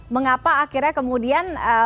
mengapa akhirnya kemudian